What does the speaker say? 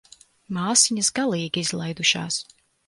Māsiņas galīgi izlaidušās.